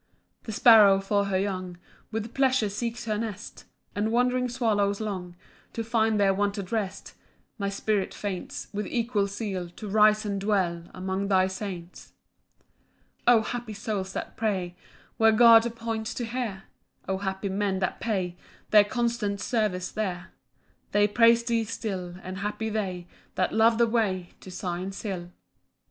2 The sparrow, for her young, With pleasure seeks her nest; And wandering swallows long To find their wonted rest: My spirit faints With equal zeal To rise and dwell Among thy saints. 3 O happy souls that pray Where God appoints to hear! O happy men that pay Their constant service there! They praise thee still; And happy they That love the way To Zion's hill.